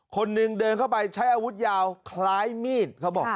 คนหนึ่งเดินเข้าไปใช้อาวุธยาวคล้ายมีดเขาบอก